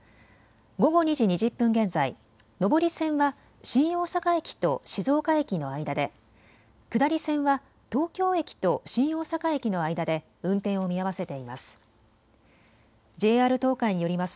午後２時２０分現在、上り線は新大阪駅と静岡駅の間で、下り線は東京駅と新大阪駅の間で運転を見合わせています。